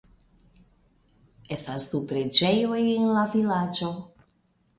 Estas du preĝejoj en la vilaĝo.